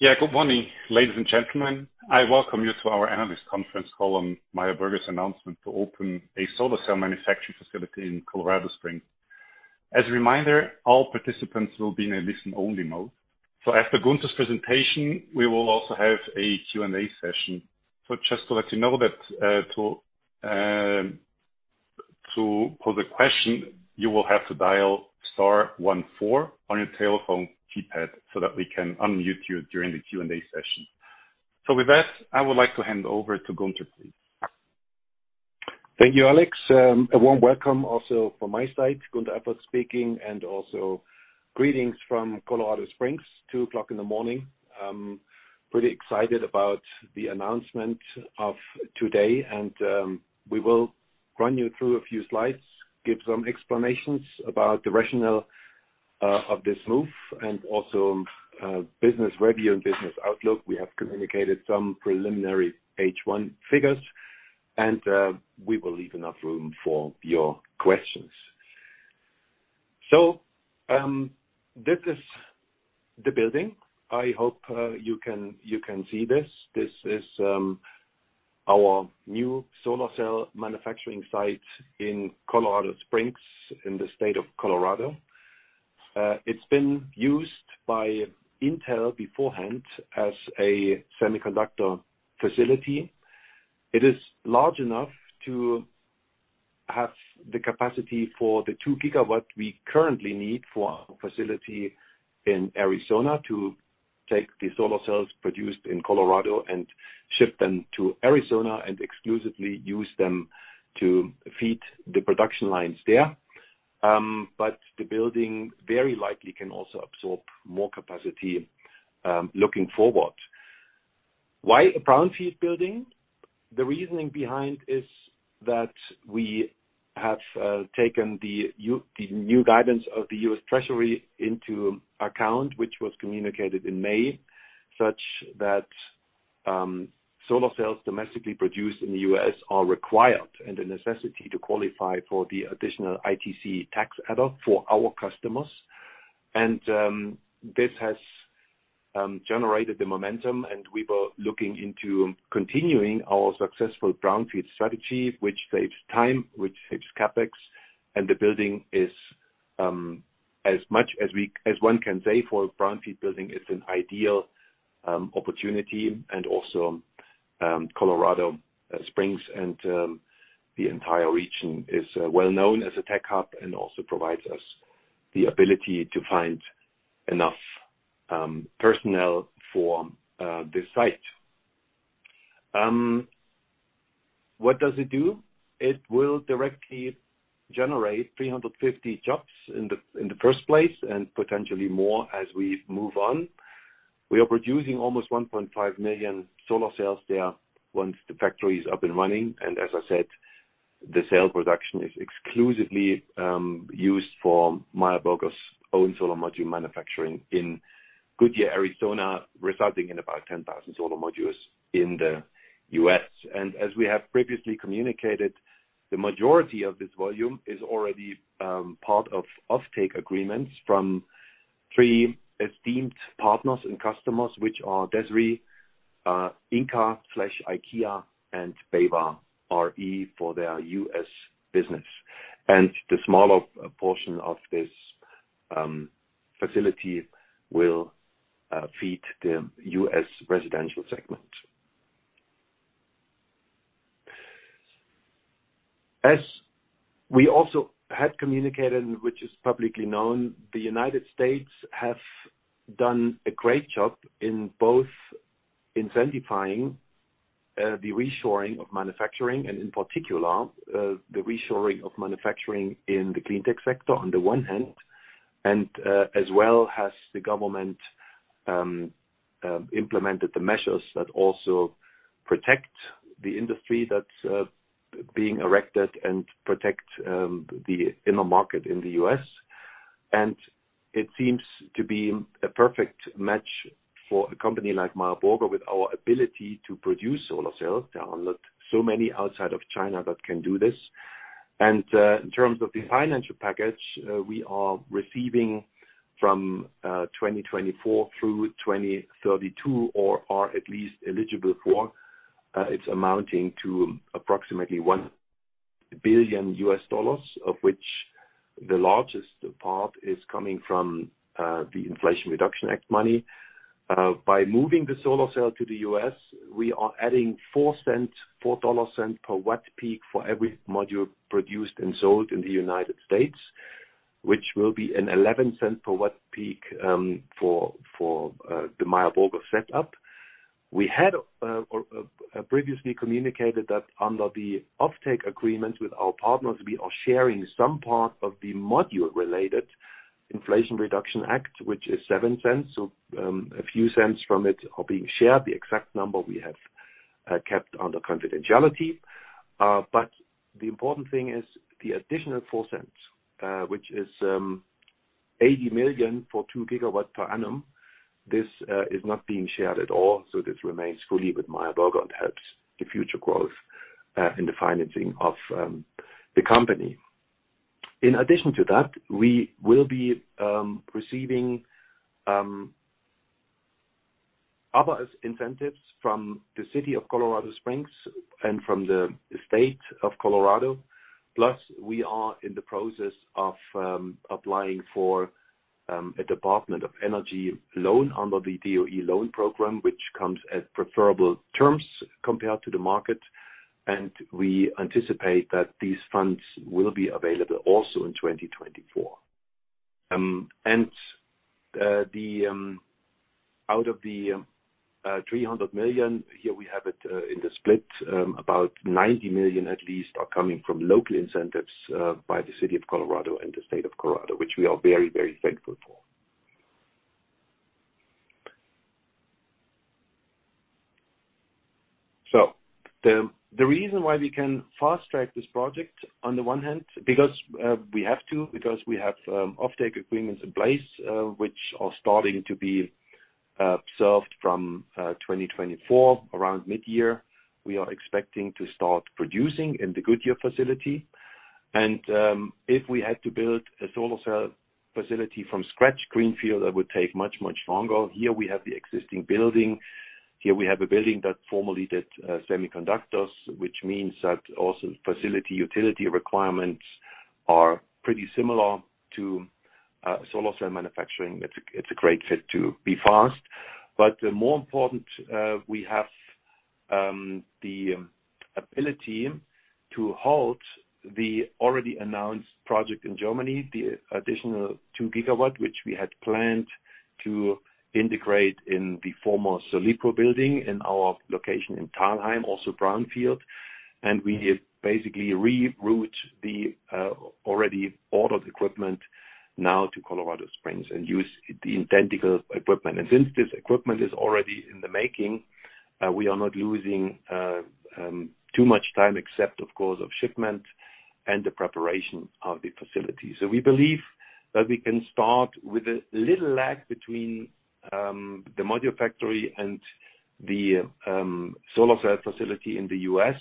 Good morning, ladies and gentlemen. I welcome you to our analyst conference call on Meyer Burger's announcement to open a solar cell manufacturing facility in Colorado Springs. As a reminder, all participants will be in a listen-only mode. After Gunter's presentation, we will also have a Q&A session. Just to let you know that for the question, you will have to dial star 14 on your telephone keypad so that we can unmute you during the Q&A session. With that, I would like to hand over to Gunter, please. Thank you, Alex. A warm welcome also from my side, Gunter Erfurt speaking. Also greetings from Colorado Springs, 2:00 A.M. Pretty excited about the announcement of today. We will run you through a few slides, give some explanations about the rationale of this move and also business review and business outlook. We have communicated some preliminary H1 figures. We will leave enough room for your questions. This is the building. I hope you can see this. This is our new solar cell manufacturing site in Colorado Springs, in the state of Colorado. It's been used by Intel beforehand as a semiconductor facility. It is large enough to have the capacity for the 2 gigawatt we currently need for our facility in Arizona to take the solar cells produced in Colorado and ship them to Arizona, and exclusively use them to feed the production lines there. The building very likely can also absorb more capacity looking forward. Why a brownfield building? The reasoning behind is that we have taken the new guidance of the US Treasury into account, which was communicated in May, such that solar cells domestically produced in the US are required, and a necessity to qualify for the additional ITC tax add-on for our customers. This has generated the momentum, and we were looking into continuing our successful brownfield strategy, which saves time, which saves CapEx, and the building is, as much as one can say for a brownfield building, it's an ideal opportunity, and also, Colorado Springs and the entire region is well known as a tech hub and also provides us the ability to find enough personnel for this site. What does it do? It will directly generate 350 jobs in the first place, and potentially more as we move on. We are producing almost 1.5 million solar cells there once the factory is up and running. As I said, the cell production is exclusively used for Meyer Burger's own solar module manufacturing in Goodyear, Arizona, resulting in about 10,000 solar modules in the US. As we have previously communicated, the majority of this volume is already part of offtake agreements from three esteemed partners and customers, which are DESRI, Ingka/IKEA, and BayWa r.e. for their US business. The smaller portion of this facility will feed the US residential segment. As we also had communicated, which is publicly known, the United States have done a great job in both incentivizing, the reshoring of manufacturing, and in particular, the reshoring of manufacturing in the clean tech sector, on the one hand, and, as well, has the government, implemented the measures that also protect the industry that's, being erected and protect, the inner market in the U.S. It seems to be a perfect match for a company like Meyer Burger, with our ability to produce solar cells. There are not so many outside of China that can do this. In terms of the financial package, we are receiving from 2024 through 2032, or are at least eligible for, it's amounting to approximately 1 billion US dollars, of which the largest part is coming from the Inflation Reduction Act money. By moving the solar cell to the U.S., we are adding $0.04, $0.04 per watt peak for every module produced and sold in the United States, which will be an $0.11 per watt peak for the Meyer Burger setup. We had or previously communicated that under the offtake agreement with our partners, we are sharing some part of the module-related Inflation Reduction Act, which is $0.07. A few cents from it are being shared. The exact number we have kept under confidentiality. The important thing is the additional $0.04, which is $80 million for 2 gigawatts per annum. This is not being shared at all, this remains fully with Meyer Burger and helps the future growth in the financing of the company. In addition to that, we will be receiving other incentives from the city of Colorado Springs and from the state of Colorado. We are in the process of applying for a Department of Energy loan under the DOE loan program, which comes at preferable terms compared to the market, and we anticipate that these funds will be available also in 2024. The out of the $300 million, here we have it in the split, about $90 million at least are coming from local incentives by the city of Colorado and the state of Colorado, which we are very, very thankful for. The reason why we can fast-track this project, on the one hand, because we have to, because we have offtake agreements in place, which are starting to be served from 2024, around mid-year. We are expecting to start producing in the Goodyear facility. If we had to build a solar cell facility from scratch, greenfield, that would take much, much longer. Here we have the existing building. Here we have a building that formerly did semiconductors, which means that also facility utility requirements are pretty similar to solar cell manufacturing. It's a great fit to be fast. More important, we have the ability to halt the already announced project in Germany, the additional 2 gigawatt, which we had planned to integrate in the former Sovello building in our location in Thalheim, also brownfield. We basically reroute the already ordered equipment now to Colorado Springs and use the identical equipment. Since this equipment is already in the making, we are not losing too much time, except, of course, of shipment and the preparation of the facility. We believe that we can start with a little lag between the module factory and the solar cell facility in the U.S.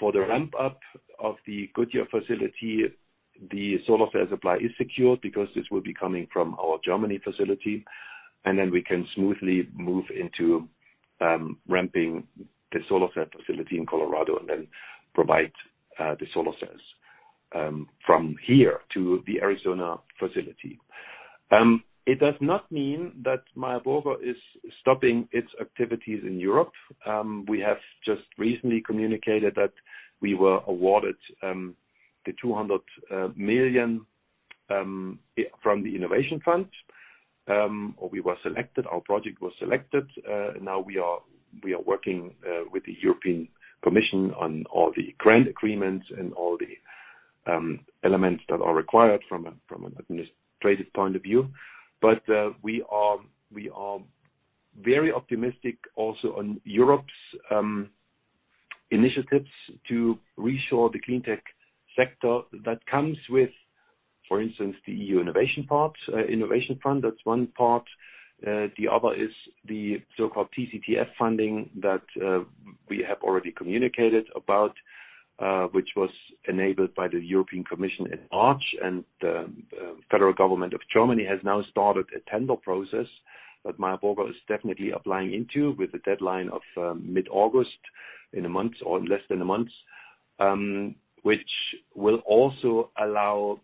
For the ramp-up of the Goodyear facility, the solar cell supply is secure because this will be coming from our Germany facility, and then we can smoothly move into ramping the solar cell facility in Colorado and then provide the solar cells from here to the Arizona facility. It does not mean that Meyer Burger is stopping its activities in Europe. We have just recently communicated that we were awarded 200 million from the Innovation Fund. We were selected, our project was selected. Now we are working with the European Commission on all the grant agreements and all the elements that are required from an administrative point of view. We are very optimistic also on Europe's initiatives to re-shore the clean tech sector that comes with, for instance, the EU Innovation Fund. That's one part. The other is the so-called TCTF funding that we have already communicated about, which was enabled by the European Commission in March, and Federal government of Germany has now started a tender process, that Meyer Burger is definitely applying into, with a deadline of mid-August, in a month or less than a month, which will also allow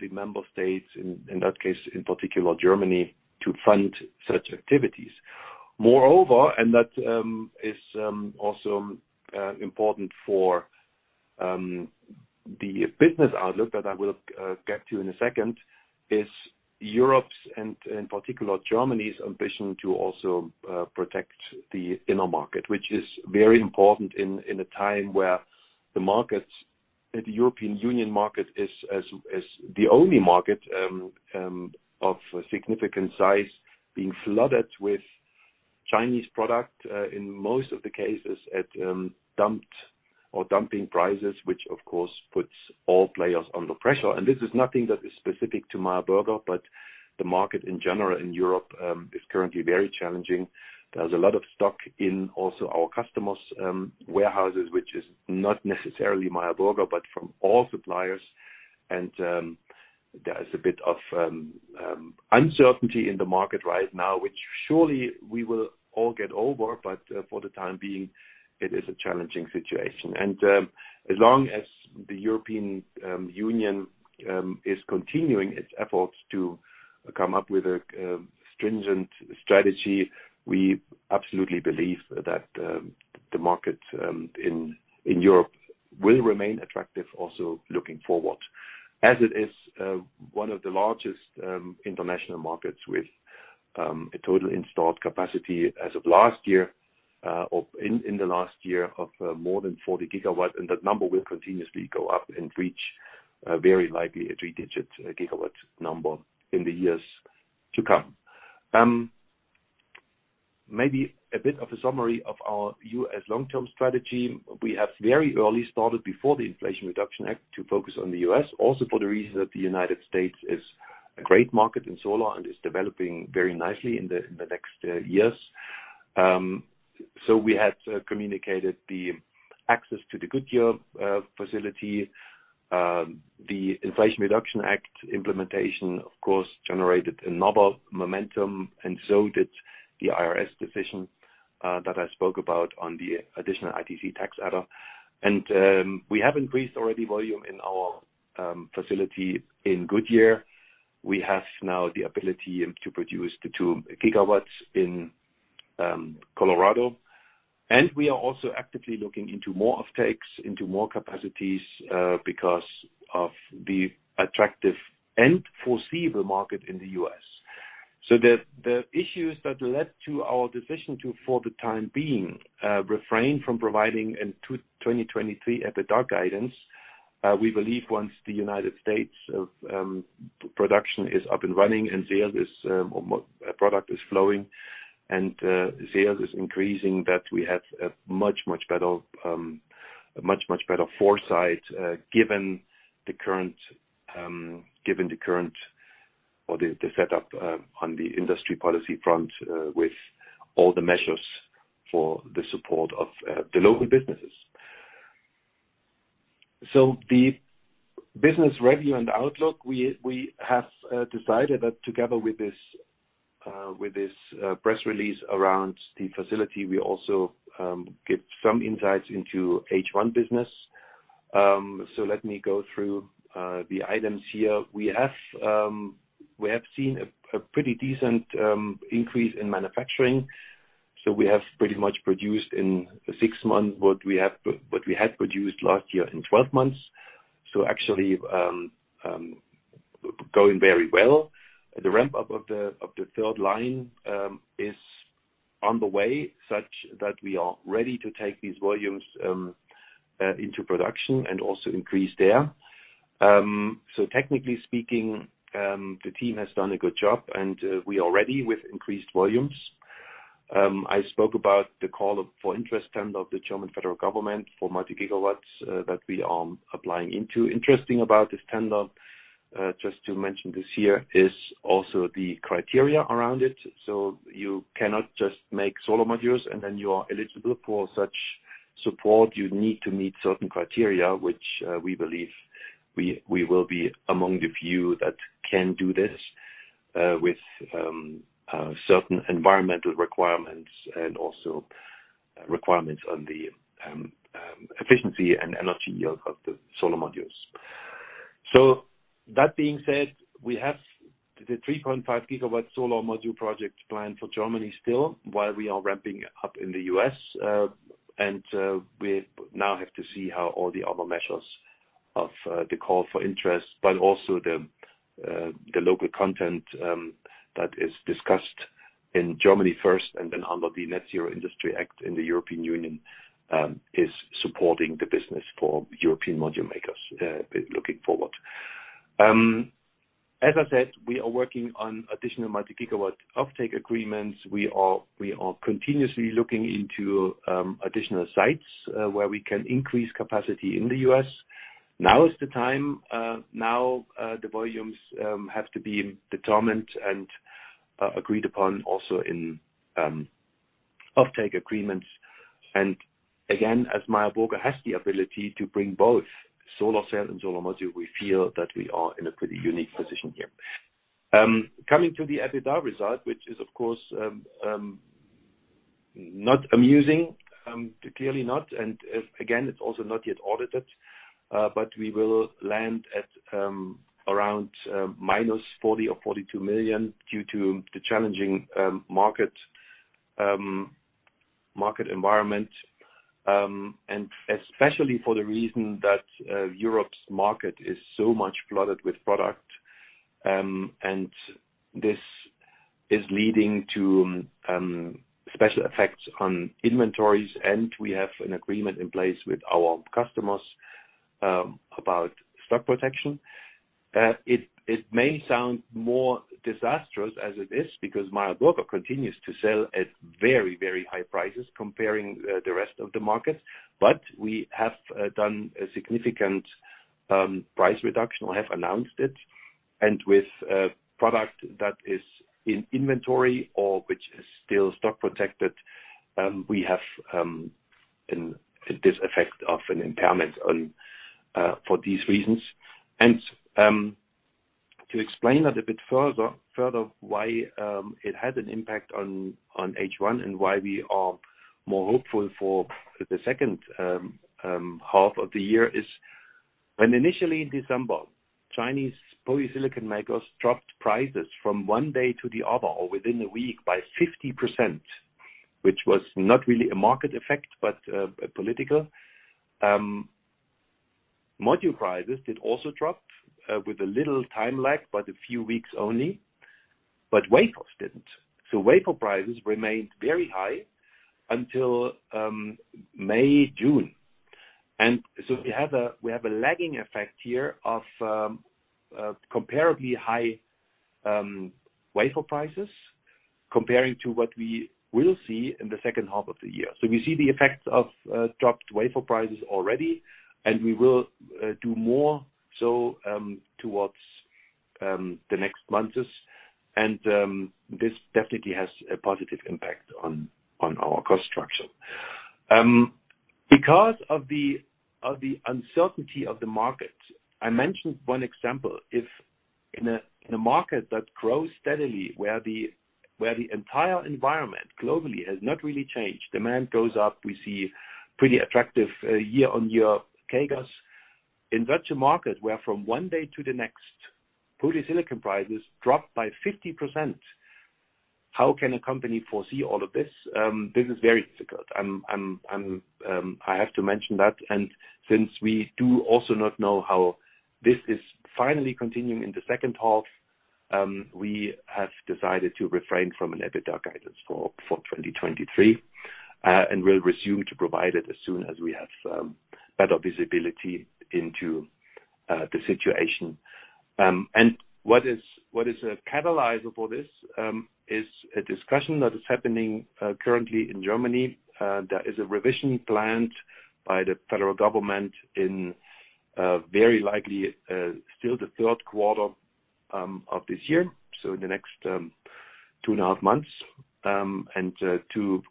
the member states, in that case, in particular, Germany, to fund such activities. Moreover, and that is also important for the business outlook that I will get to in a second, is Europe's, and in particular, Germany's ambition to also protect the inner market, which is very important in a time where the markets, the European Union market is the only market of significant size, being flooded with Chinese product in most of the cases at dumped or dumping prices, which, of course, puts all players under pressure. This is nothing that is specific to Meyer Burger, but the market in general in Europe is currently very challenging. There's a lot of stock in also our customers' warehouses, which is not necessarily Meyer Burger, but from all suppliers. There is a bit of uncertainty in the market right now, which surely we will all get over, but for the time being, it is a challenging situation. As long as the European Union is continuing its efforts to come up with a stringent strategy, we absolutely believe that the market in Europe will remain attractive, also looking forward. As it is, one of the largest international markets with a total installed capacity as of last year, or in the last year, of more than 40 gigawatts, and that number will continuously go up and reach very likely a three-digit gigawatt number in the years to come. Maybe a bit of a summary of our US long-term strategy. We have very early started before the Inflation Reduction Act to focus on the US, also for the reason that the United States. A great market in solar and is developing very nicely in the, in the next years. We had communicated the access to the Goodyear facility. The Inflation Reduction Act implementation, of course, generated a novel momentum, and so did the IRS decision that I spoke about on the additional ITC tax adder. We have increased already volume in our facility in Goodyear. We have now the ability to produce the 2 gigawatts in Colorado. We are also actively looking into more offtakes, into more capacities because of the attractive and foreseeable market in the US. The issues that led to our decision to, for the time being, refrain from providing in 2023 EBITDA guidance, we believe once the United States production is up and running and sales is or product is flowing and sales is increasing, that we have a much, much better foresight, given the current, given the current or the setup on the industry policy front, with all the measures for the support of the local businesses. The business review and outlook, we have decided that together with this press release around the facility, we also give some insights into H1 business. Let me go through the items here. We have seen a pretty decent increase in manufacturing. We have pretty much produced in 6 months what we had produced last year in 12 months. Actually, going very well. The ramp-up of the third line is on the way, such that we are ready to take these volumes into production and also increase there. Technically speaking, the team has done a good job, and we are ready with increased volumes. I spoke about the call for interest tender of the German Federal Government for multi gigawatts that we are applying into. Interesting about this tender, just to mention this here, is also the criteria around it. You cannot just make solar modules, and then you are eligible for such support. You need to meet certain criteria, which we believe we will be among the few that can do this with certain environmental requirements and also requirements on the efficiency and energy yield of the solar modules. That being said, we have the 3.5 gigawatt solar module project planned for Germany still, while we are ramping up in the US. And we now have to see how all the other measures of the call for interest, but also the local content that is discussed in Germany first, and then under the Net-Zero Industry Act in the European Union, is supporting the business for European module makers looking forward. As I said, we are working on additional multi-gigawatt offtake agreements. We are continuously looking into additional sites where we can increase capacity in the U.S. Now is the time, now the volumes have to be determined and agreed upon also in offtake agreements. Again, as Meyer Burger has the ability to bring both solar cells and solar modules, we feel that we are in a pretty unique position here. Coming to the EBITDA result, which is, of course, not amusing, clearly not, and again, it's also not yet audited, but we will land at around minus 40 or 42 million due to the challenging market environment. Especially for the reason that Europe's market is so much flooded with product, and this is leading to special effects on inventories, and we have an agreement in place with our customers about stock protection. It may sound more disastrous as it is, because Meyer Burger continues to sell at very, very high prices, comparing the rest of the market, but we have done a significant price reduction, or have announced it. With product that is in inventory or which is still stock protected, we have in this effect of an impairment on for these reasons. To explain that a bit further, why it had an impact on H1 and why we are more hopeful for the second half of the year is: when initially in December, Chinese polysilicon makers dropped prices from one day to the other, or within a week, by 50%, which was not really a market effect, but a political module prices did also drop with a little time lag, but a few weeks only, but wafers didn't. Wafer prices remained very high until May, June. We have a lagging effect here of comparably high wafer prices, comparing to what we will see in the second half of the year. We see the effects of dropped wafer prices already, and we will do more so towards the next months. This definitely has a positive impact on our cost structure. Because of the uncertainty of the market, I mentioned one example. If in a market that grows steadily, where the entire environment globally has not really changed, demand goes up, we see pretty attractive year-on-year CAGRs. In virtual market, where from one day to the next, polysilicon prices dropped by 50%, how can a company foresee all of this? This is very difficult. I have to mention that. Since we do also not know how this is finally continuing in the second half, we have decided to refrain from an EBITDA guidance for 2023, and we'll resume to provide it as soon as we have better visibility into the situation. What is a catalyzer for this is a discussion that is happening currently in Germany, that is a revision planned by the federal government in very likely still the third quarter of this year, so in the next two and a half months. To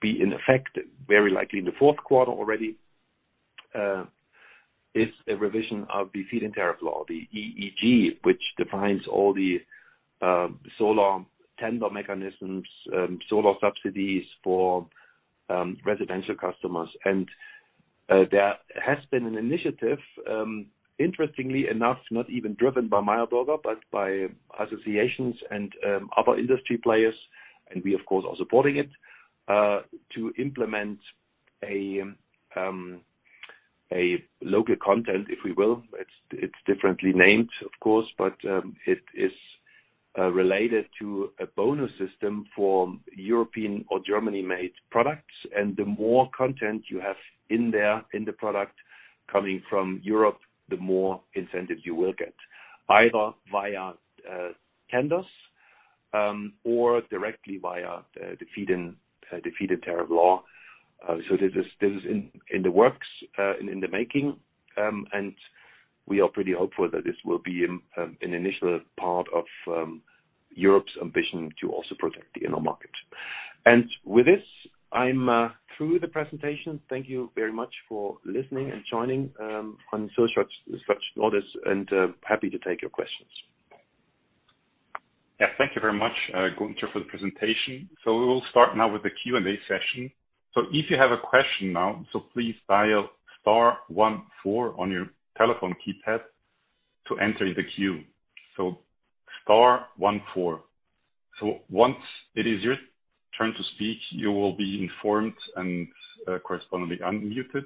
be in effect, very likely in the fourth quarter already, is a revision of the feed-in tariff law, the EEG, which defines all the solar tender mechanisms, solar subsidies for residential customers. There has been an initiative, interestingly enough, not even driven by Meyer Burger, but by associations and other industry players, and we, of course, are supporting it, to implement a local content, if we will. It's differently named, of course, but it is related to a bonus system for European or Germany-made products, and the more content you have in there, in the product coming from Europe, the more incentive you will get, either via tenders or directly via the feed-in tariff law. This is in the works, in the making, and we are pretty hopeful that this will be an initial part of Europe's ambition to also protect the inner market. With this, I'm through the presentation. Thank you very much for listening and joining, on such notice, and happy to take your questions. Yeah, thank you very much, Gunter, for the presentation. We will start now with the Q&A session. If you have a question now, so please dial star one four on your telephone keypad to enter the queue. Star one four. Once it is your turn to speak, you will be informed and correspondingly unmuted.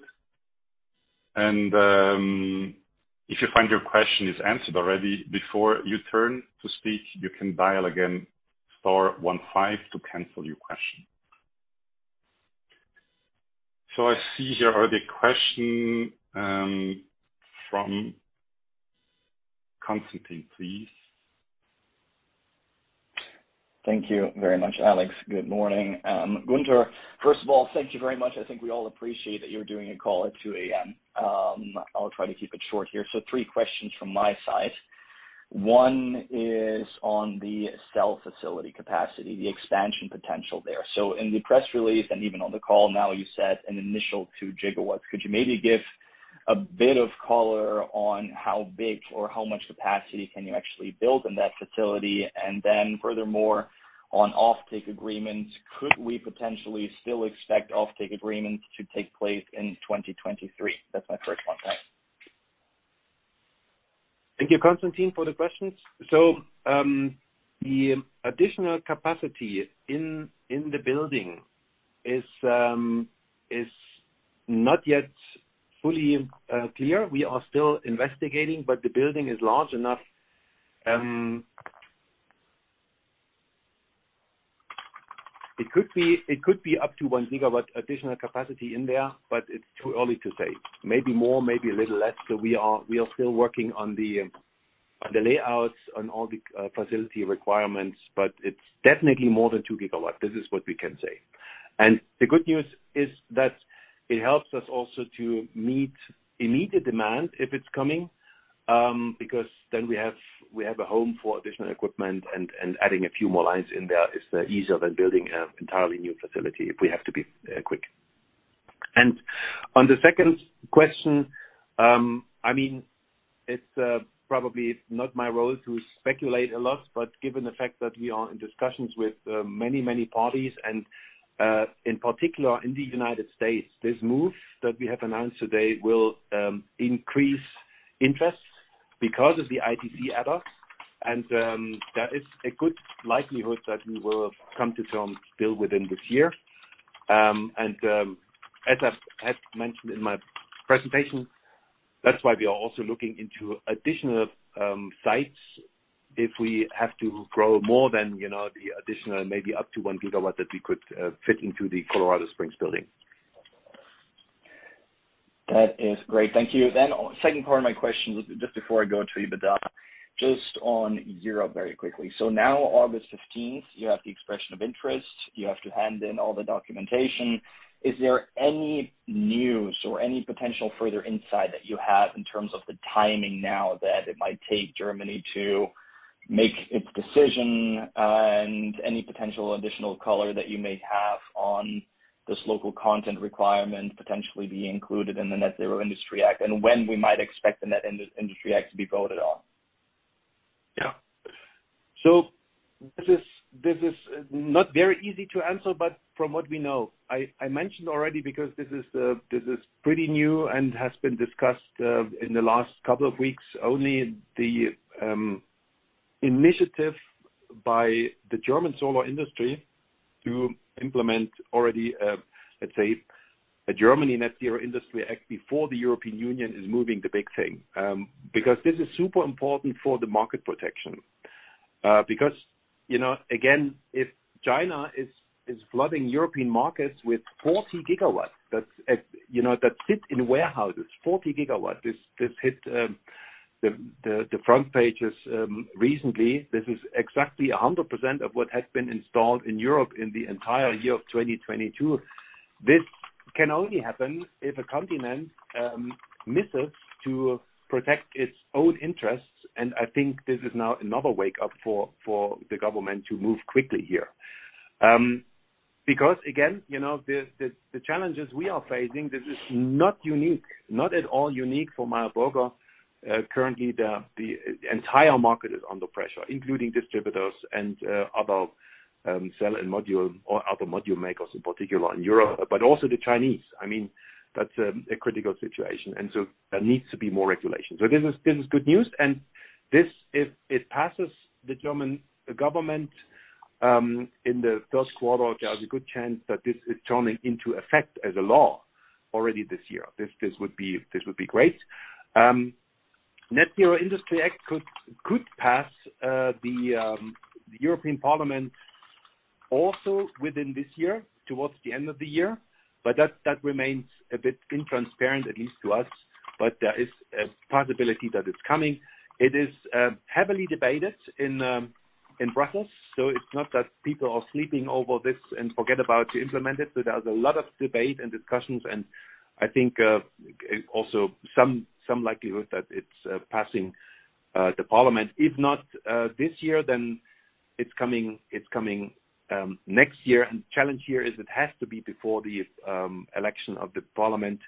If you find your question is answered already before your turn to speak, you can dial again star one five to cancel your question. I see here are the question from Konstantin, please. Thank you very much, Alex. Good morning. Gunter, first of all, thank you very much. I think we all appreciate that you're doing a call at 2:00 A.M. I'll try to keep it short here. 3 questions from my side. One is on the cell facility capacity, the expansion potential there. In the press release, and even on the call now, you said an initial 2 gigawatts. Could you maybe give a bit of color on how big or how much capacity can you actually build in that facility? Furthermore, on offtake agreements, could we potentially still expect offtake agreements to take place in 2023? That's my first one. Thanks. Thank you, Konstantin, for the questions. The additional capacity in the building is not yet fully clear. We are still investigating, but the building is large enough. It could be up to 1 gigawatt additional capacity in there, but it's too early to say. Maybe more, maybe a little less. We are still working on the layouts, on all the facility requirements, but it's definitely more than 2 gigawatt. This is what we can say. The good news is that it helps us also to meet immediate demand if it's coming, because then we have a home for additional equipment, and adding a few more lines in there is easier than building an entirely new facility if we have to be quick. On the second question, I mean, it's probably not my role to speculate a lot, but given the fact that we are in discussions with many, many parties, in particular in the United States, this move that we have announced today will increase interest because of the ITC adders. There is a good likelihood that we will come to terms still within this year. As I've mentioned in my presentation, that's why we are also looking into additional sites if we have to grow more than, you know, the additional, maybe up to 1 gigawatt that we could fit into the Colorado Springs building. That is great. Thank you. Second part of my question, just before I go to EBITDA, just on Europe very quickly. Now, August 15th, you have the expression of interest, you have to hand in all the documentation. Is there any news or any potential further insight that you have in terms of the timing now that it might take Germany to make its decision, and any potential additional color that you may have on this local content requirement potentially being included in the Net-Zero Industry Act, and when we might expect the Net-Zero Industry Act to be voted on? Yeah. This is not very easy to answer, but from what we know, I mentioned already, because this is pretty new and has been discussed in the last couple of weeks, only the initiative by the German solar industry to implement already, let's say, a Germany Net-Zero Industry Act before the European Union is moving the big thing. Because this is super important for the market protection. Because, you know, again, if China is flooding European markets with 40 gigawatts, that's, you know, that sit in warehouses, 40 gigawatts. This hit the front pages recently. This is exactly 100% of what has been installed in Europe in the entire year of 2022. This can only happen if a continent misses to protect its own interests. I think this is now another wakeup for the government to move quickly here. Again, you know, the challenges we are facing, this is not unique, not at all unique for Meyer Burger. Currently, the entire market is under pressure, including distributors and other cell and module or other module makers, in particular in Europe, also the Chinese. I mean, that's a critical situation. There needs to be more regulation. This is good news. This, if it passes the German government in the third quarter, there is a good chance that this is turning into effect as a law already this year. This would be great. Net-Zero Industry Act could pass the European Parliament also within this year, towards the end of the year, but that remains a bit in-transparent, at least to us. There is a possibility that it's coming. It is heavily debated in Brussels, so it's not that people are sleeping over this and forget about to implement it. There is a lot of debate and discussions, and I think also some likelihood that it's passing the parliament. If not this year, then it's coming next year. The challenge here is it has to be before the election of the parliament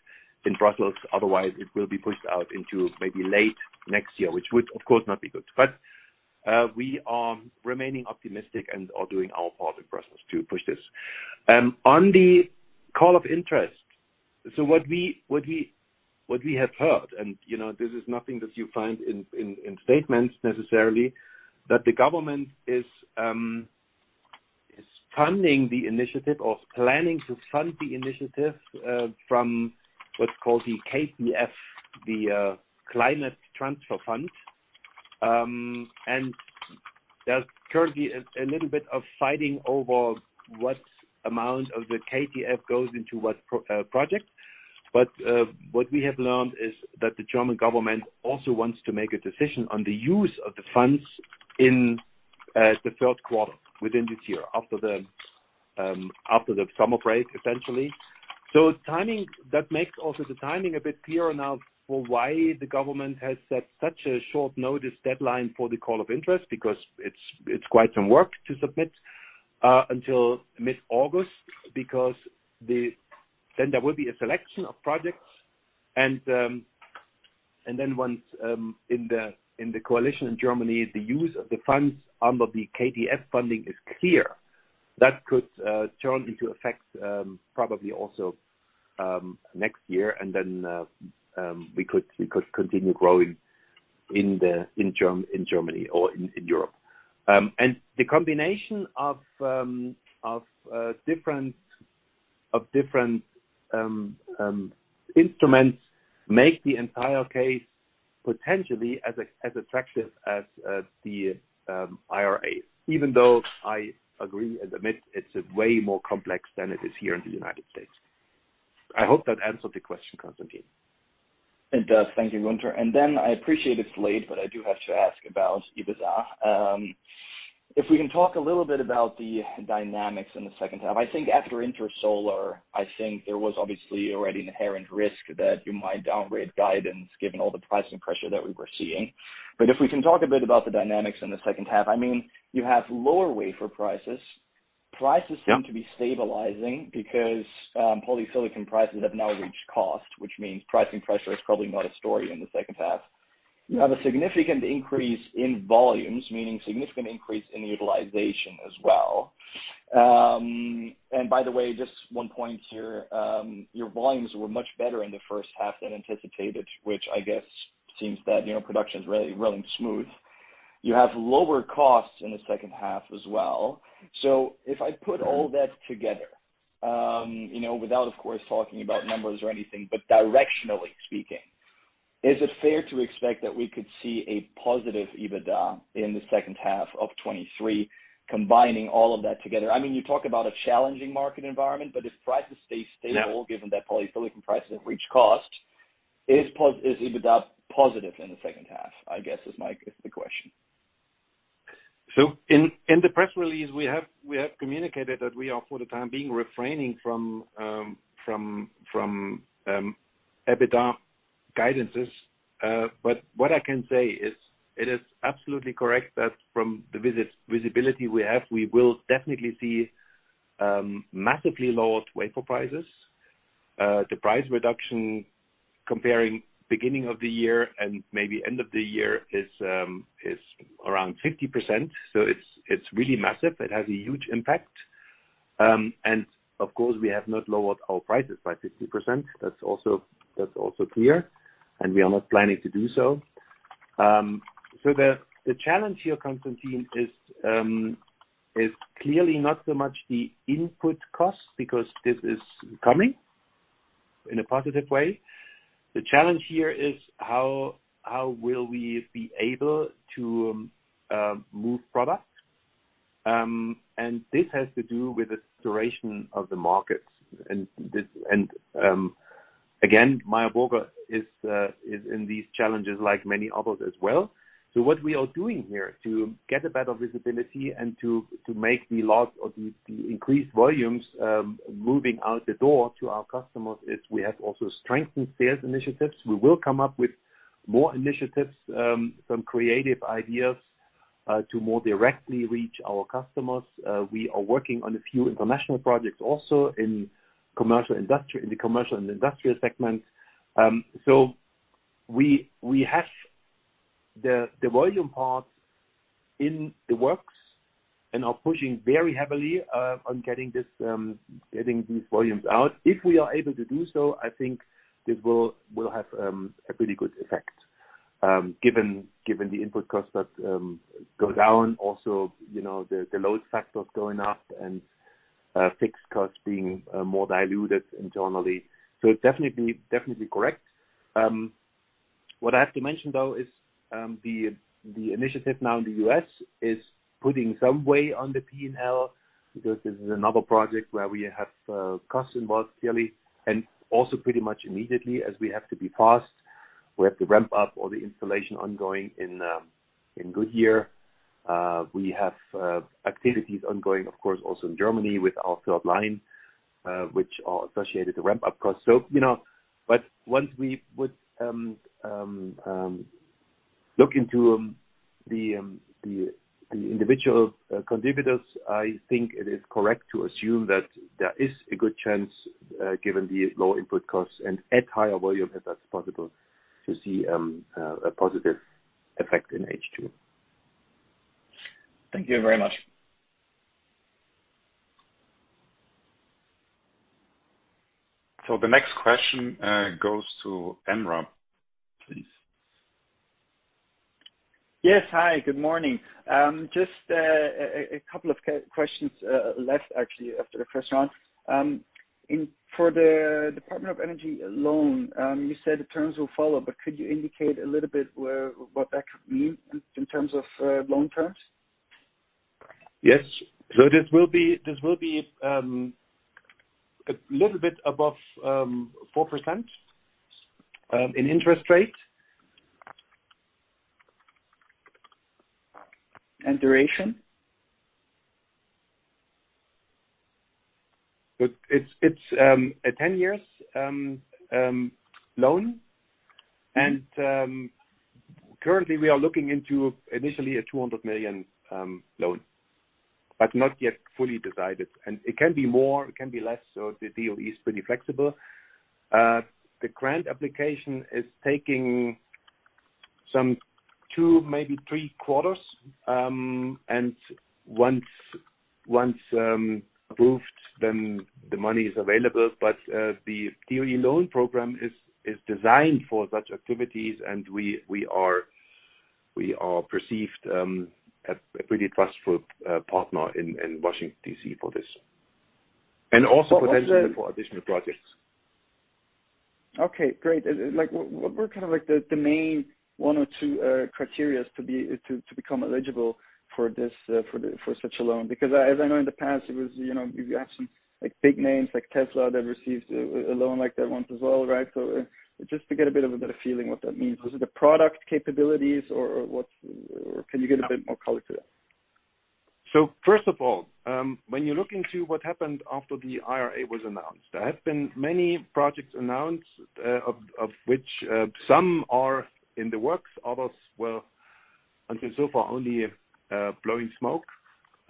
in Brussels. Otherwise, it will be pushed out into maybe late next year, which would, of course, not be good. We are remaining optimistic and are doing our part in Brussels to push this. On the call of interest, what we have heard, and, you know, this is nothing that you find in statements necessarily, that the government is funding the initiative or planning to fund the initiative from what's called the KTF, the Climate and Transformation Fund. There's currently a little bit of fighting over what amount of the KTF goes into what project. What we have learned is that the German government also wants to make a decision on the use of the funds in the third quarter within this year, after the summer break, essentially. Timing, that makes also the timing a bit clearer now for why the government has set such a short notice deadline for the call of interest, because it's quite some work to submit until mid-August, because there will be a selection of projects, and then once in the coalition in Germany, the use of the funds under the KTF funding is clear. That could turn into effect probably also next year, and then we could continue growing in Germany or in Europe. The combination of different instruments make the entire case potentially as attractive as the IRA, even though I agree and admit it's way more complex than it is here in the United States. I hope that answered the question, Konstantin. It does. Thank you, Gunter. I appreciate it's late, but I do have to ask about EBITDA. If we can talk a little bit about the dynamics in the second half. I think after Intersolar, I think there was obviously already an inherent risk that you might downgrade guidance, given all the pricing pressure that we were seeing. If we can talk a bit about the dynamics in the second half, I mean, you have lower wafer prices. Yeah. seem to be stabilizing because polysilicon prices have now reached cost, which means pricing pressure is probably not a story in the second half. You have a significant increase in volumes, meaning significant increase in utilization as well. By the way, just one point here, your volumes were much better in the first half than anticipated, which I guess seems that, you know, production is really running smooth. You have lower costs in the second half as well. If I put all that together, you know, without, of course, talking about numbers or anything, but directionally speaking. Is it fair to expect that we could see a positive EBITDA in the second half of 2023, combining all of that together? I mean, you talk about a challenging market environment, if prices stay stable, given that polysilicon prices have reached cost, is EBITDA positive in the second half, I guess, is my, is the question? In the press release, we have communicated that we are, for the time being, refraining from EBITDA guidances. What I can say is, it is absolutely correct that from the visibility we have, we will definitely see massively lowered wafer prices. The price reduction comparing beginning of the year and maybe end of the year is around 50%. It's really massive. It has a huge impact. Of course, we have not lowered our prices by 50%. That's also clear, we are not planning to do so. The challenge here, Konstantin, is clearly not so much the input cost, because this is coming in a positive way. The challenge here is how will we be able to move product? This has to do with the duration of the market. Again, Meyer Burger is in these challenges, like many others as well. What we are doing here to get a better visibility and to make the loss or the increased volumes moving out the door to our customers, is we have also strengthened sales initiatives. We will come up with more initiatives, some creative ideas to more directly reach our customers. We are working on a few international projects, also in the commercial and industrial segments. We have the volume part in the works and are pushing very heavily on getting these volumes out. If we are able to do so, I think this will have a pretty good effect, given the input costs that go down. You know, the load factors going up and fixed costs being more diluted internally. It's definitely correct. What I have to mention, though, is the initiative now in the U.S. is putting some weight on the P&L, because this is another project where we have costs involved clearly, and also pretty much immediately, as we have to be fast. We have to ramp up all the installation ongoing in Goodyear. We have activities ongoing, of course, also in Germany with our third line, which are associated with ramp-up costs. You know, once we would look into the individual contributors, I think it is correct to assume that there is a good chance given the low input costs and at higher volume, if that's possible, to see a positive effect in H2. Thank you very much. The next question, goes to Amrop, please. Yes. Hi, good morning. Just a couple of questions left, actually, after the first round. In, for the Department of Energy loan, you said the terms will follow, but could you indicate a little bit where, what that could mean in terms of loan terms? Yes. This will be a little bit above 4% in interest rate. Duration? It's a 10 years loan. Currently, we are looking into initially a $200 million loan, but not yet fully decided. It can be more, it can be less, so the deal is pretty flexible. The grant application is taking some 2 maybe 3 quarters, and once approved, then the money is available. The DOE loan program is designed for such activities, and we are perceived a pretty trustworthy partner in Washington, D.C., for this. Also potentially for additional projects. Okay, great. Like, what were kind of like the main one or two criterias to become eligible for this for such a loan? As I know in the past, it was, you know, you've had some, like, big names like Tesla, that received a loan like that once as well, right? Just to get a bit of a better feeling what that means. Was it the product capabilities or what? Can you give a bit more color to that? First of all, when you look into what happened after the IRA was announced, there have been many projects announced, of which some are in the works, others, well, until so far, only blowing smoke.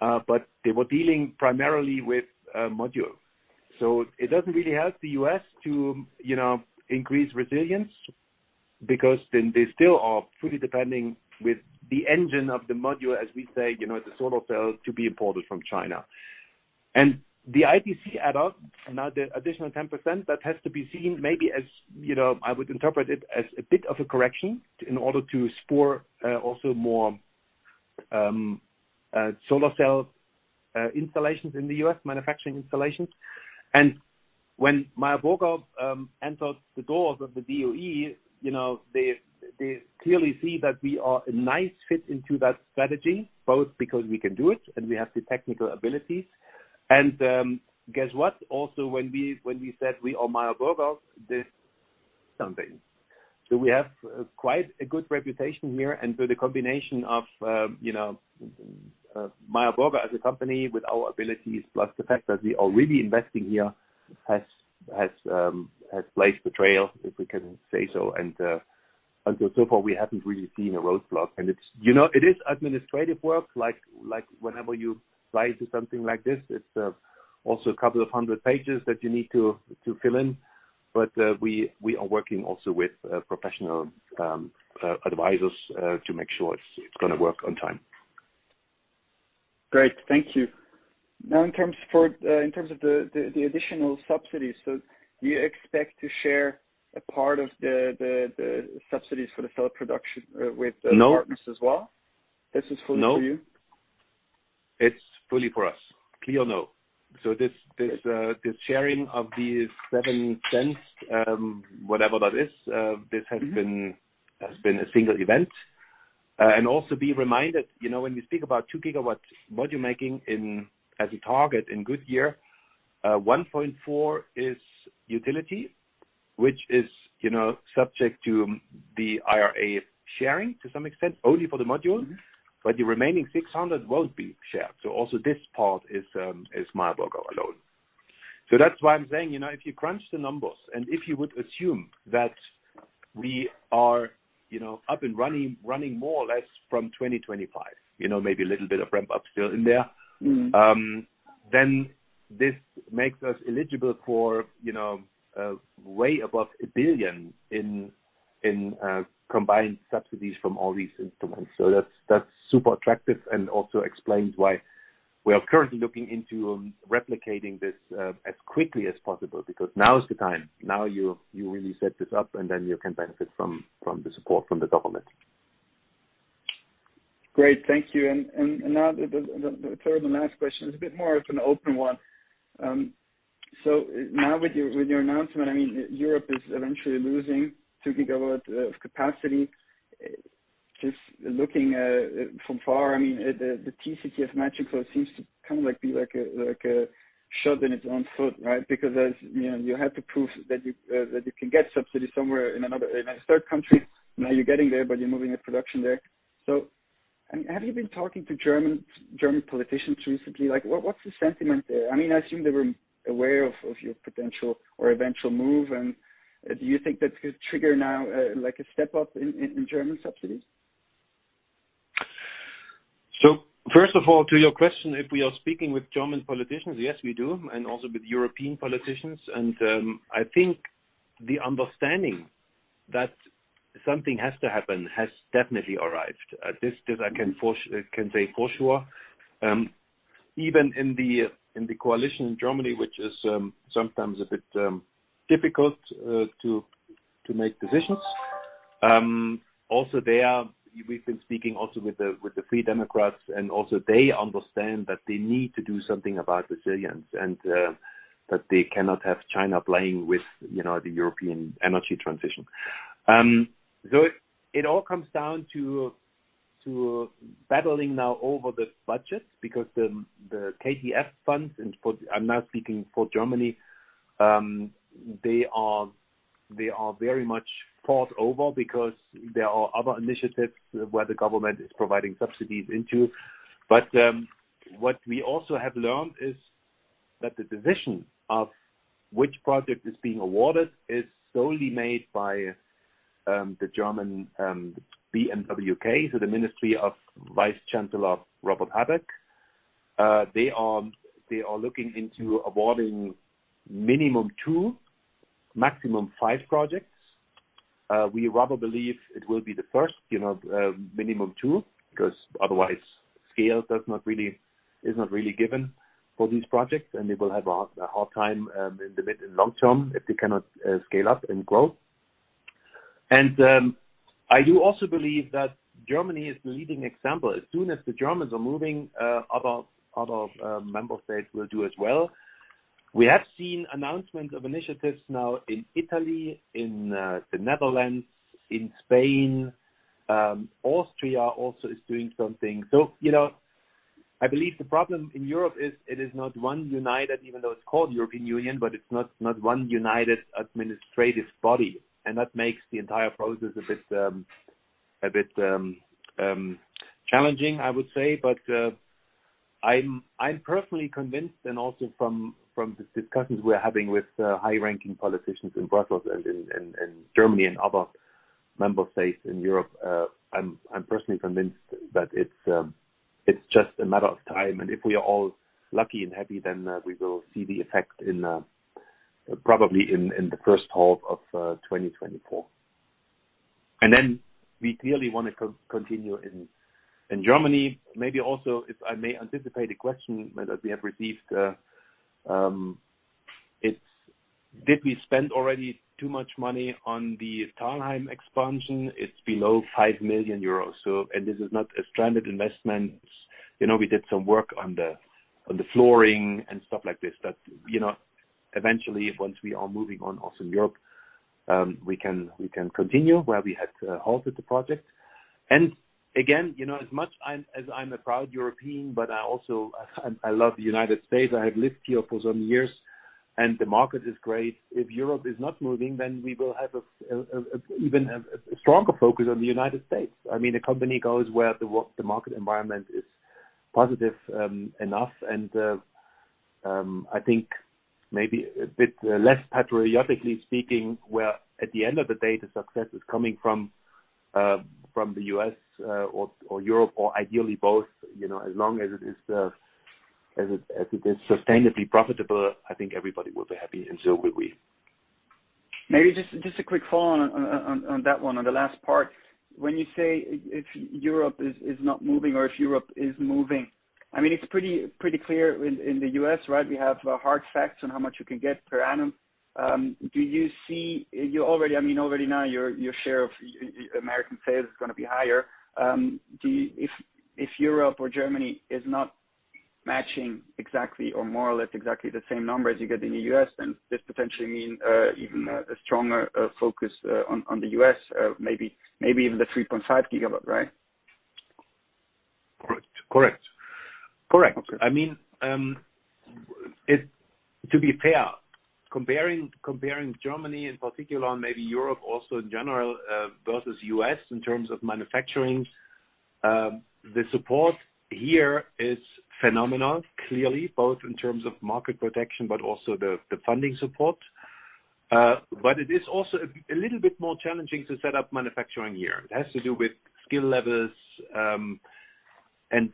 They were dealing primarily with modules. It doesn't really help the U.S. to, you know, increase resilience, because then they still are fully depending with the engine of the module, as we say, you know, the solar cell, to be imported from China. The ITC adder, now the additional 10%, that has to be seen maybe as, you know, I would interpret it, as a bit of a correction in order to spur also solar cell installations in the U.S., manufacturing installations. When Meyer Burger entered the doors of the DOE, you know, they clearly see that we are a nice fit into that strategy, both because we can do it and we have the technical abilities. Guess what? Also, when we said we are Meyer Burger, this something. We have quite a good reputation here, the combination of, you know, Meyer Burger as a company with our abilities, plus the fact that we are really investing here, has blazed the trail, if we can say so. So far, we haven't really seen a roadblock, and it's, you know, it is administrative work, like whenever you apply to something like this, it's also a couple of hundred pages that you need to fill in. We are working also with professional advisors to make sure it's gonna work on time. Great. Thank you. Now, in terms of the additional subsidies, do you expect to share a part of the subsidies for the cell production? No. partners as well? This is fully for you? No, it's fully for us. Clear no. This sharing of these $0.07, whatever that is, this has been. Mm-hmm. has been a single event. Also be reminded, you know, when you speak about 2 gigawatts module making in, as a target in good year, 1.4 is utility, which is, you know, subject to the IRA sharing to some extent, only for the modules. Mm-hmm. The remaining 600 won't be shared, so also this part is Meyer Burger alone. That's why I'm saying, you know, if you crunch the numbers, and if you would assume that we are, you know, up and running more or less from 2025, you know, maybe a little bit of ramp up still in there. Mm-hmm. This makes us eligible for, you know, way above $1 billion in combined subsidies from all these instruments. That's super attractive and also explains why we are currently looking into replicating this as quickly as possible, because now is the time. You really set this up, you can benefit from the support from the government. Great, thank you. Now the, the third and last question is a bit more of an open one. Now with your, with your announcement, I mean, Europe is eventually losing 2 gigawatts of capacity. Just looking from far, I mean, the TCTF matching flow seems to kind of like, be like a, like a shot in its own foot, right? Because as you know, you have to prove that you can get subsidies somewhere in another, in a third country. Now you're getting there, but you're moving the production there. Have you been talking to German politicians recently? Like, what's the sentiment there? I mean, I assume they were aware of your potential or eventual move, and do you think that could trigger now like a step up in, in German subsidies? First of all, to your question, if we are speaking with German politicians, yes, we do, and also with European politicians. I think the understanding that something has to happen has definitely arrived. This I can say for sure. Even in the coalition in Germany, which is sometimes a bit difficult to make decisions. Also, we've been speaking with the Free Democrats, and also they understand that they need to do something about resilience and that they cannot have China playing with, you know, the European energy transition. It all comes down to battling now over the budget because the KTF funds, and for... I'm now speaking for Germany. They are very much thought over because there are other initiatives where the government is providing subsidies into. What we also have learned is that the decision of which project is being awarded is solely made by the German BMWK, so the Ministry of Vice Chancellor Robert Habeck. They are looking into awarding minimum two, maximum five projects. We rather believe it will be the first, you know, minimum two, because otherwise, scale is not really given for these projects, and they will have a hard time in the mid and long term if they cannot scale up and grow. I do also believe that Germany is the leading example. As soon as the Germans are moving, other member states will do as well. We have seen announcements of initiatives now in Italy, in the Netherlands, in Spain. Austria also is doing something. You know, I believe the problem in Europe is, it is not one united, even though it's called European Union, but it's not one united administrative body, and that makes the entire process a bit challenging, I would say. I'm personally convinced, and also from the discussions we're having with high-ranking politicians in Brussels and Germany and other member states in Europe, I'm personally convinced that it's just a matter of time, and if we are all lucky and happy, then we will see the effect in probably in the first half of 2024. We clearly want to continue in Germany. Maybe also, if I may anticipate a question that we have received. It's, did we spend already too much money on the Thalheim expansion? It's below 5 million euros, so, and this is not a stranded investment. You know, we did some work on the, on the flooring and stuff like this, that, you know, eventually, once we are moving on also in Europe, we can continue where we had halted the project. Again, you know, as much I'm, as I'm a proud European, but I also, I, I love the United States. I have lived here for some years, and the market is great. If Europe is not moving, then we will have an even stronger focus on the United States. I mean, the company goes where the market environment is positive, enough. I think maybe a bit less patriotically speaking, where at the end of the day, the success is coming from the U.S., or Europe, or ideally both, you know, as long as it is sustainably profitable, I think everybody will be happy, and so will we. Maybe just a quick follow-on on that one, on the last part. When you say if Europe is not moving or if Europe is moving, I mean, it's pretty clear in the US, right? We have hard facts on how much you can get per annum. Do you see... I mean, already now, your share of American sales is gonna be higher. Do you, if Europe or Germany is not matching exactly or more or less exactly the same numbers you get in the US, then this potentially mean even a stronger focus on the US, maybe even the 3.5 gigawatt, right? Correct. Correct. Correct. Okay. I mean, to be fair, comparing Germany in particular, maybe Europe also in general, versus U.S. in terms of manufacturing, the support here is phenomenal, clearly, both in terms of market protection, but also the funding support. It is also a little bit more challenging to set up manufacturing here. It has to do with skill levels, and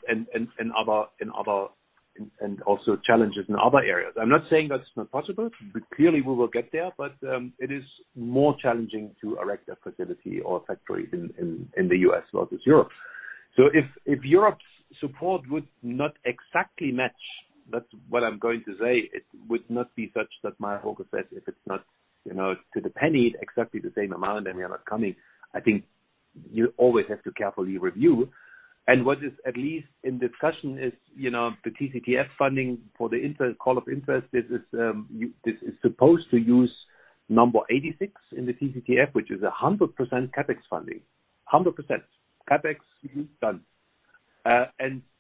other challenges in other areas. I'm not saying that's not possible, but clearly we will get there, but it is more challenging to erect a facility or a factory in the U.S. versus Europe. So if Europe's support would not exactly match, that's what I'm going to say, it would not be such that my focus is, if it's not, you know, to the penny, exactly the same amount, then we are not coming. I think you always have to carefully review. What is, at least in discussion, is, you know, the TCTF funding for the interest, call of interest, this is, this is supposed to use number 86 in the TCTF, which is 100% CapEx funding. 100% CapEx, done.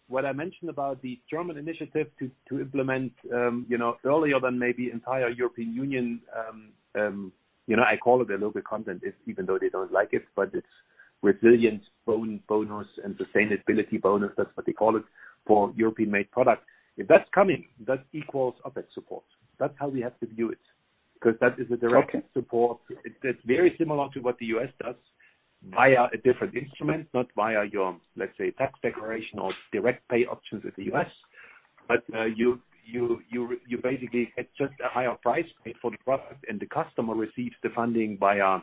What I mentioned about the German initiative to implement, you know, earlier than maybe entire European Union, you know, I call it a little bit content, is even though they don't like it, but it's Resilience Bonus and Sustainability Bonus. That's what they call it, for European-made product. If that's coming, that equals OPEX support. That's how we have to view it, 'cause that is the direct- Okay. support. It's very similar to what the US does, via a different instrument, not via your, let's say, tax declaration or direct pay options with the US. You basically add just a higher price paid for the product, and the customer receives the funding via,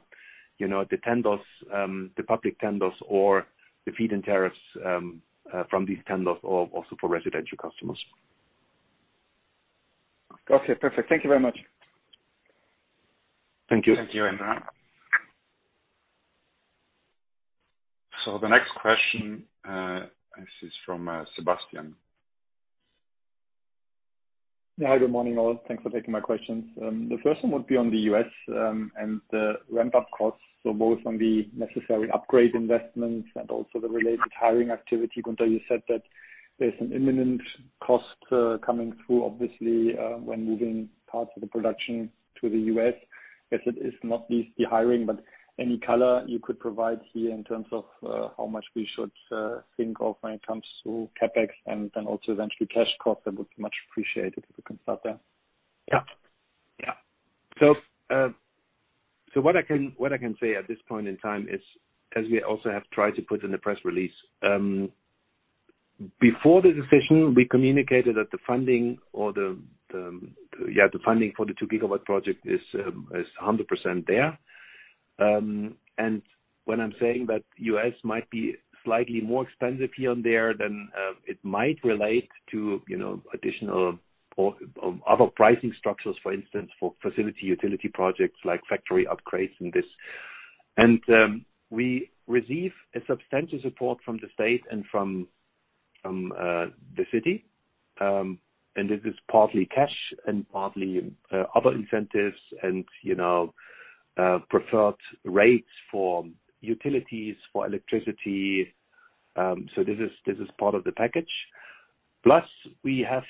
you know, the tenders, the public tenders or the feed-in tariffs from these tenders or also for residential customers. Okay, perfect. Thank you very much. Thank you. Thank you, Amrop. The next question, this is from Sebastian. Yeah, good morning, all. Thanks for taking my questions. The first one would be on the US, and the ramp-up costs, so both on the necessary upgrade investments and also the related hiring activity. Gunter, you said that there's an imminent cost coming through, obviously, when moving parts of the production to the US, as it is not least the hiring, but any color you could provide here in terms of how much we should think of when it comes to CapEx and also eventually cash costs, that would be much appreciated, if we can start there. What I can say at this point in time is, as we also have tried to put in the press release, before the decision, we communicated that the funding or the funding for the 2 gigawatt project is 100% there. When I'm saying that U.S. might be slightly more expensive here and there, it might relate to, you know, additional or other pricing structures, for instance, for facility utility projects like factory upgrades and this. We receive a substantial support from the state and from the city, and this is partly cash and partly other incentives and, you know, preferred rates for utilities, for electricity. This is part of the package. We have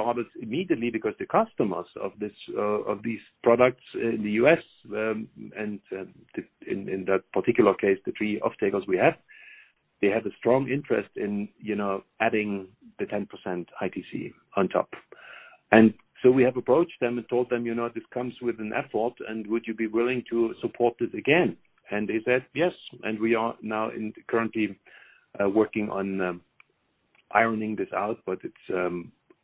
started immediately because the customers of this of these products in the U.S., and in that particular case, the three off takers we have, they have a strong interest in, you know, adding the 10% ITC on top. So we have approached them and told them, "You know, this comes with an effort, and would you be willing to support this again?" They said, "Yes." We are now currently working on ironing this out, but it's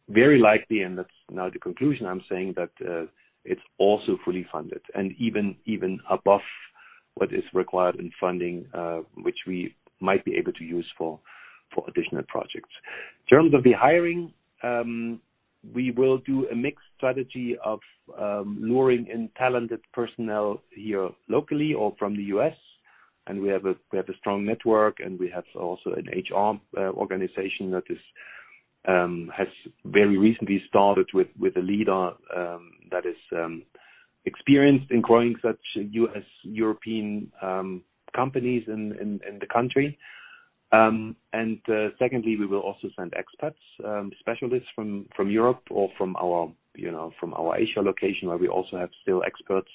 very likely, and that's now the conclusion I'm saying, that it's also fully funded and even what is required in funding, which we might be able to use for additional projects. In terms of the hiring, we will do a mixed strategy of luring in talented personnel here locally or from the U.S., and we have a strong network, and we have also an HR organization that is has very recently started with a leader, that is experienced in growing such U.S.-European companies in the country. Secondly, we will also send expats, specialists from Europe or from our, you know, from our Asia location, where we also have still experts,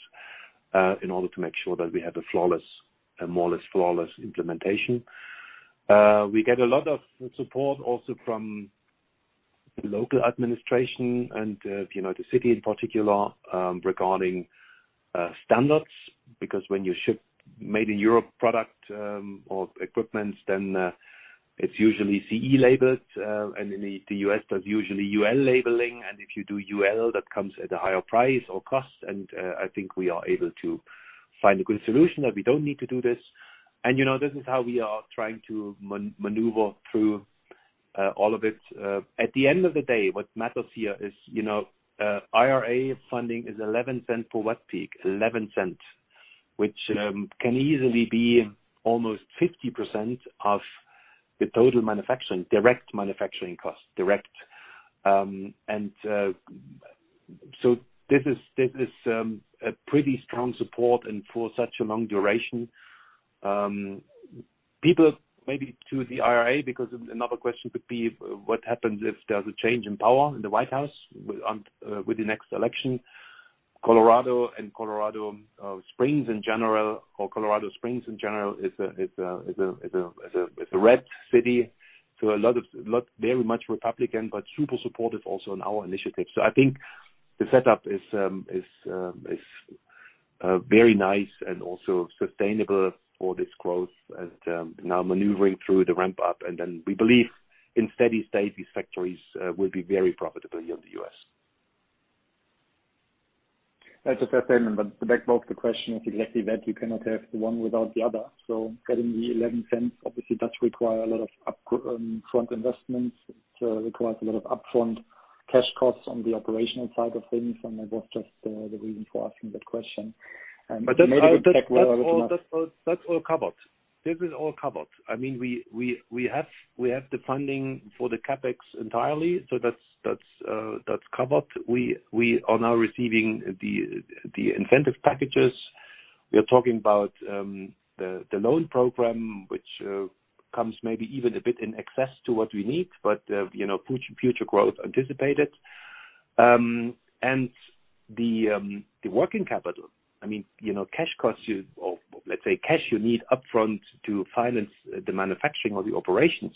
in order to make sure that we have a flawless, a more or less flawless implementation. We get a lot of support also from the local administration and, you know, the city in particular, regarding standards. When you ship made-in-Europe product, or equipments, it's usually CE labeled, and in the U.S., there's usually UL labeling. If you do UL, that comes at a higher price or cost, I think we are able to find a good solution, that we don't need to do this. You know, this is how we are trying to maneuver through all of it. At the end of the day, what matters here is, you know, IRA funding is $0.11 for watt peak, $0.11. Which can easily be almost 50% of the total manufacturing, direct manufacturing cost, direct. This is a pretty strong support and for such a long duration. People, maybe to the IRA, because another question could be: What happens if there's a change in power in the White House with, on, with the next election? Colorado Springs, in general, is a red city, so a lot of, very much Republican, but super supportive also in our initiatives. I think the setup is very nice and also sustainable for this growth as now maneuvering through the ramp-up. We believe in steady state, these factories, will be very profitable here in the US. That's a fair statement. The backbone of the question is exactly that. You cannot have the one without the other. Getting the $0.11 obviously does require a lot of front investments. It requires a lot of upfront cash costs on the operational side of things, and that was just the reason for asking that question. That's all, that's all, that's all covered. This is all covered. I mean, we have the funding for the CapEx entirely, so that's covered. We are now receiving the incentive packages. We are talking about the loan program, which comes maybe even a bit in excess to what we need, but, you know, future growth anticipated. The working capital, I mean, you know, cash costs you or let's say cash you need upfront to finance the manufacturing or the operations,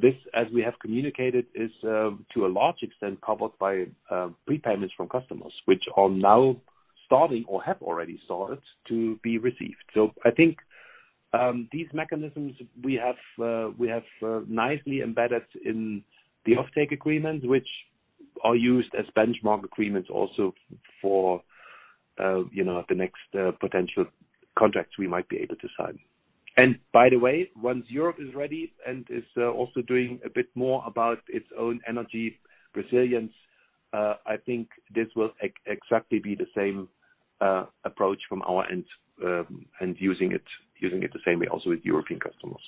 this, as we have communicated, is to a large extent, covered by prepayments from customers which are now starting or have already started to be received. I think these mechanisms we have nicely embedded in the offtake agreement, which are used as benchmark agreements also for, you know, the next potential contracts we might be able to sign. By the way, once Europe is ready and is also doing a bit more about its own energy resilience, I think this will exactly be the same approach from our end, and using it the same way also with European customers.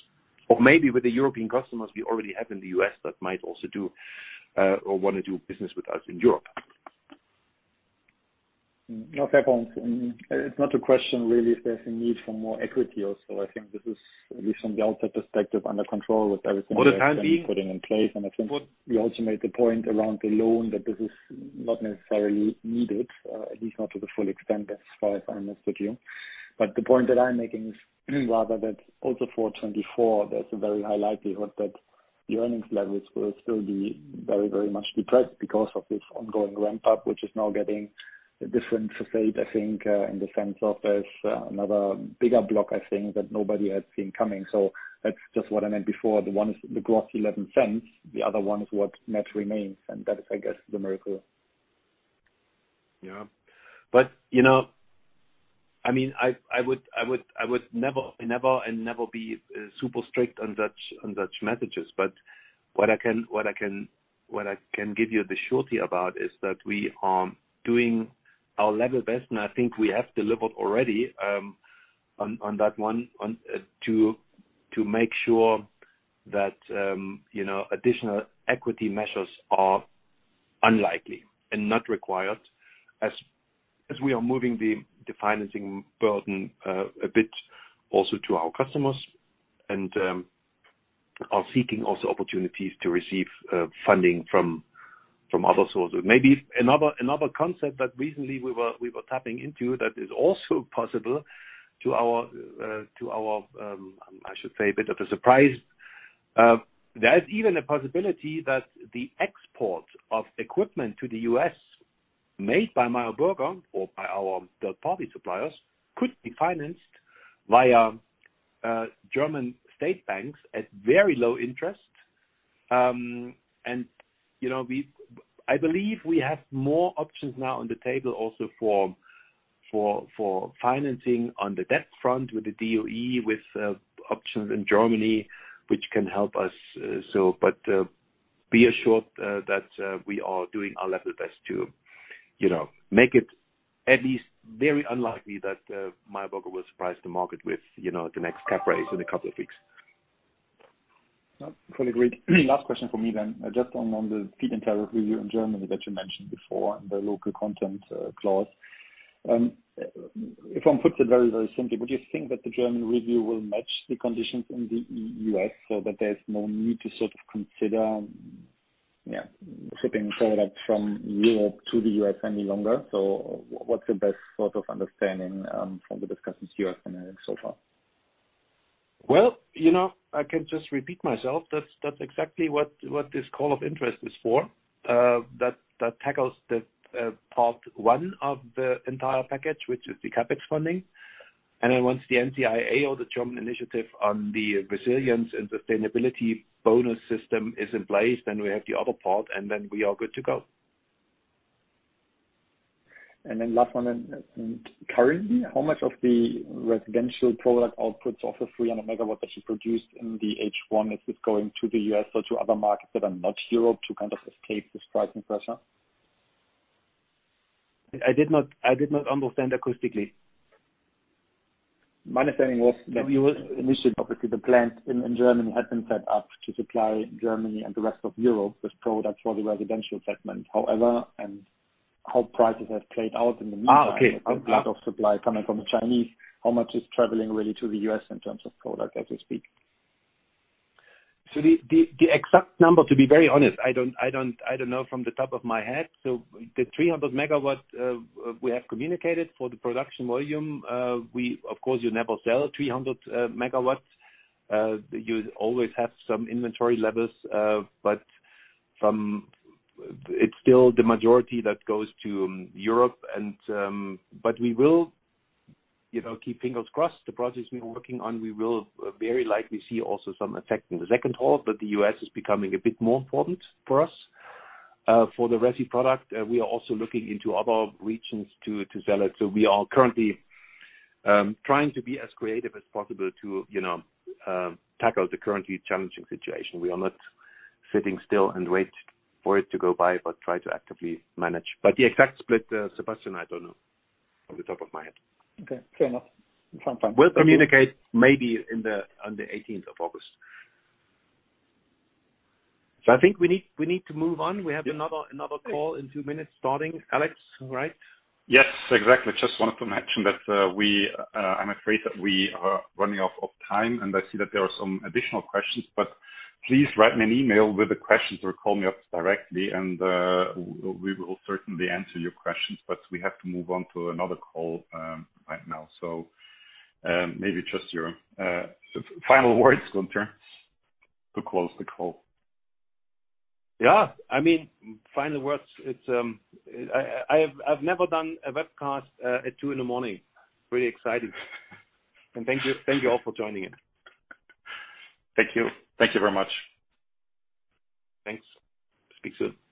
Maybe with the European customers we already have in the U.S., that might also do or wanna do business with us in Europe. No, fair point. Mm-hmm. It's not a question, really, if there's a need for more equity or so. I think this is, at least from the outside perspective, under control with everything- All the time being- putting in place. I think you also made the point around the loan, that this is not necessarily needed, at least not to the full extent, as far as I understood you. The point that I'm making is rather that also for 2024, there's a very high likelihood that the earnings levels will still be very, very much depressed because of this ongoing ramp-up, which is now getting a different facade, I think, in the sense of there's another bigger block, I think, that nobody had seen coming. That's just what I meant before. The one is the gross 11 cents, the other one is what net remains, and that is, I guess, the miracle. Yeah. You know, I mean, I would never be super strict on such messages. What I can give you the surety about is that we are doing our level best, and I think we have delivered already on that one to make sure that, you know, additional equity measures are unlikely and not required, as we are moving the financing burden a bit also to our customers. Are seeking also opportunities to receive funding from other sources. Maybe another concept that recently we were tapping into that is also possible to our, I should say, a bit of a surprise. a possibility that the export of equipment to the U.S., made by Meyer Burger or by our third-party suppliers, could be financed via German state banks at very low interest. I believe we have more options now on the table also for financing on the debt front with the DOE, with options in Germany, which can help us. But be assured that we are doing our level best to, you know, make it at least very unlikely that Meyer Burger will surprise the market with, you know, the next cap raise in a couple of weeks. Fully agreed. Last question for me then. Just on the feed-in tariff review in Germany that you mentioned before, the local content clause. If I put it very simply, would you think that the German review will match the conditions in the US so that there's no need to sort of consider, yeah, shipping product from Europe to the US any longer? What's the best sort of understanding from the discussions you have so far? Well, you know, I can just repeat myself. That's exactly what this call of interest is for. That tackles the part one of the entire package, which is the CapEx funding. Once the NZIA or the German initiative on the resilience and sustainability bonus system is in place, then we have the other part, and then we are good to go. Last one, currently, how much of the residential product outputs of the 300 megawatts that you produced in the H1, is this going to the U.S. or to other markets that are not Europe, to kind of escape the striking pressure? I did not understand acoustically. My understanding was that. Initially, obviously, the plant in Germany had been set up to supply Germany and the rest of Europe with products for the residential segment. However, and how prices have played out in the meantime... Okay. Of supply coming from the Chinese, how much is traveling really to the US in terms of product as we speak? The exact number, to be very honest, I don't know from the top of my head. The 300 megawatts we have communicated for the production volume. Of course, you never sell 300 megawatts. You always have some inventory levels. It's still the majority that goes to Europe and we will, you know, keep fingers crossed. The projects we are working on, we will very likely see also some effect in the second half. The US is becoming a bit more important for us. For the resi product, we are also looking into other regions to sell it. We are currently trying to be as creative as possible to, you know, tackle the currently challenging situation. We are not sitting still and wait for it to go by, but try to actively manage. The exact split, Sebastian, I don't know, off the top of my head. Okay, fair enough. Sounds fine. We'll communicate maybe in the, on the eighteenth of August. I think we need to move on. We have another call in two minutes, starting. Alex, right? Yes, exactly. Just wanted to mention that we, I'm afraid that we are running out of time. I see that there are some additional questions. Please write me an email with the questions, or call me up directly. We will certainly answer your questions. We have to move on to another call right now. Maybe just your final words, Gunter, to close the call. Yeah. I mean, final words, it's, I've never done a webcast at 2 in the morning. Pretty exciting. Thank you, thank you all for joining in. Thank you. Thank you very much. Thanks. Speak soon.